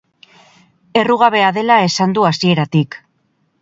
Errugabea dela esan du hasieratik.